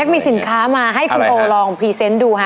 มีสินค้ามาให้คุณโอลองพรีเซนต์ดูค่ะ